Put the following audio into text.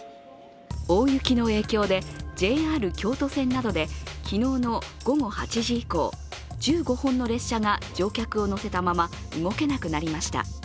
大雪の影響でＪＲ京都線などで昨日の午後８時以降、１５本の列車が乗客を乗せたまま動けなくなりました。